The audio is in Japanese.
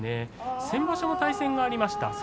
先場所も対戦がありました。